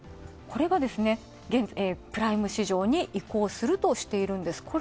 これがですね、プライム市場に移行するとしているんです。